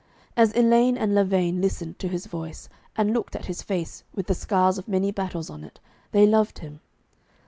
As Elaine and Lavaine listened to his voice, and looked at his face, with the scars of many battles on it, they loved him.